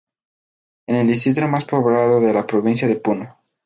Es el distrito más poblado de la Provincia de Puno.